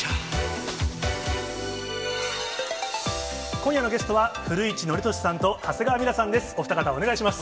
今夜のゲストは、古市憲寿さんと長谷川ミラさんです、お二方、お願いします。